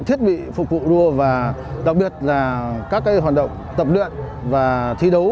thiết bị phục vụ đua và đặc biệt là các hoạt động tập luyện và thi đấu